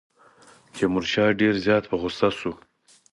تیمورشاه ډېر زیات په غوسه شو.